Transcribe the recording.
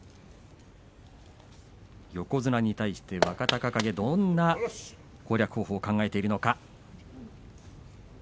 横綱に対して若隆景どんな攻略方法を考えているのか。